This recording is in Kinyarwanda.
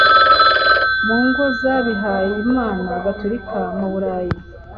mu ngo z’abihaye Imana (Gatorika) mu burayi,